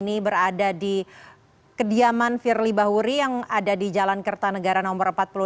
ini berada di kediaman firly bahuri yang ada di jalan kertanegara nomor empat puluh enam